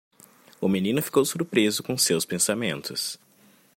O menino ficou surpreso com seus pensamentos.